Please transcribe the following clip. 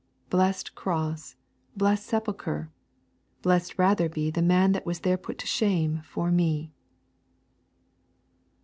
. Blest Cross! blest Sepulchre! blest rather be The Man that there was put to shame for me.'